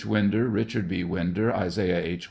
Winder, Eichard B. Winder, Isaiah H.